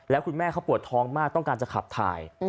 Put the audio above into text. แล้วคุณแม่เขาปวดท้องมากต้องการจะขับถ่าย